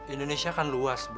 indonesia kan luas tapi